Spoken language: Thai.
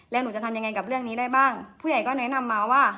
แล้วหนูจะทำยังไงกับเรื่องนี้ได้บ้างผู้ใหญ่ก็แนะนำมาว่า